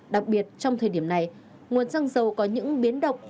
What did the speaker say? đặc biệt trong thời điểm này nguồn xăng dầu có những biến động